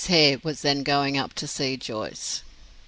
Hare was then going up to see Joyce.